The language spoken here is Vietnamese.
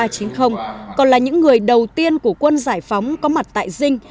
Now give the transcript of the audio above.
còn là những người đầu tiên của quân giải phóng có mặt tại sài gòn